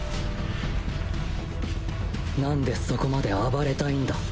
なんでそこまで暴れたいんだ。